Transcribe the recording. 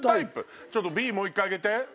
ちょっとＢもう１回挙げて。